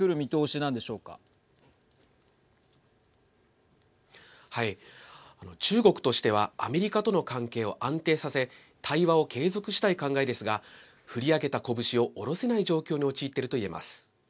あの、中国としてはアメリカとの関係を安定させ対話を継続したい考えですが振り上げた拳を下せない状況に陥っていると言えます。